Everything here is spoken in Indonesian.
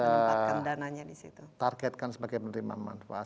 ya ada dua yang kita targetkan sebagai penerimaan manfaat